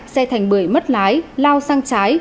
xe thành bưởi mất lái lao sang trái